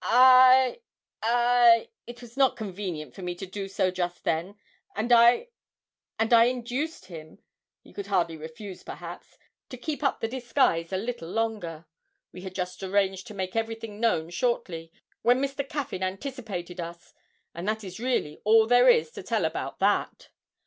I I it was not convenient for me to do so just then, and I induced him he could hardly refuse, perhaps to keep up the disguise a little longer. We had just arranged to make everything known shortly, when Mr. Caffyn anticipated us. And that is really all there is to tell about that.'